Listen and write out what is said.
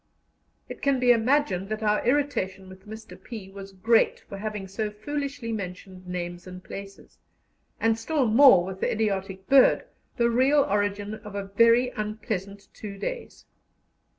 It can be imagined that our irritation with Mr. P. was great for having so foolishly mentioned names and places, and still more with the idiotic bird, the real origin of a very unpleasant two days.